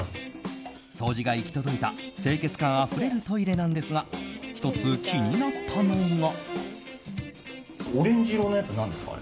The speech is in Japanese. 掃除が行き届いた清潔感あふれるトイレなんですが１つ気になったのが。